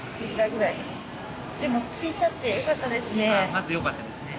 まずよかったですね